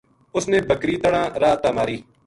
اس نے بکری تنہاں راہ تا ماری